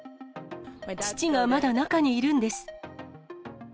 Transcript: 父がまだ中にいるんです。